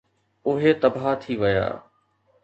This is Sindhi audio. اهي تباهه ٿي ويا.